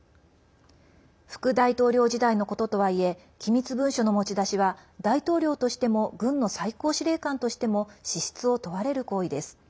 副大統領時代のこととはいえ機密文書の持ち出しは大統領としても軍の最高司令官としても資質を問われる行為です。